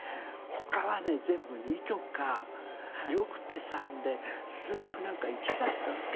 他はね全部２とかよくて３で数学なんか１だったわけ。